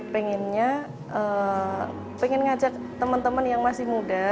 pengennya pengen ngajak teman teman yang masih muda